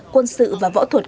quân sự và võ thuật